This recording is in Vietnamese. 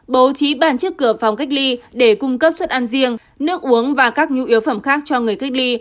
bố trí bàn trước cửa phòng cách ly để cung cấp suất ăn riêng nước uống và các nhu yếu phẩm khác cho người cách ly